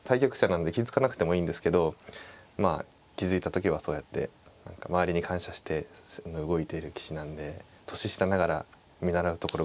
なんで気付かなくてもいいんですけどまあ気付いた時はそうやって何か周りに感謝して動いている棋士なんで年下ながら見習うところが多い棋士ですね。